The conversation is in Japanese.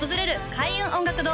開運音楽堂